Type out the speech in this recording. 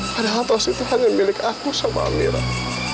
padahal tos itu hanya milik aku sama amirah